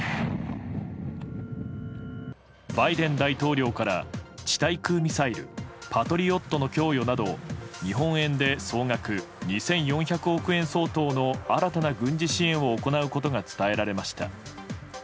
バイデン大統領から地対空ミサイルパトリオットの供与など日本円で総額２４００億円相当の新たな軍事支援を行うことが伝えられました。